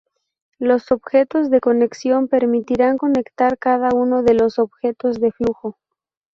Los objetos de conexión permitirán conectar cada uno de los objetos de flujo.